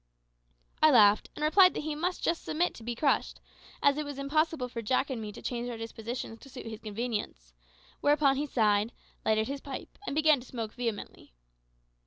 I laughed, and replied that he must just submit to be crushed, as it was impossible for Jack and me to change our dispositions to suit his convenience; whereupon he sighed, lighted his pipe, and began to smoke vehemently.